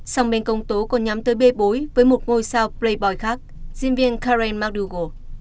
song bên công tố còn nhắm tới bê bối với một ngôi sao playboy khác diễn viên karen marugo